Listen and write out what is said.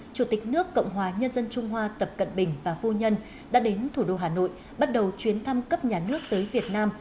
chủ tịch nước cộng hòa nhân dân trung hoa tập cận bình và phu nhân đã đến thủ đô hà nội bắt đầu chuyến thăm cấp nhà nước tới việt nam